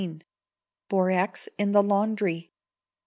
Borax in the Laundry.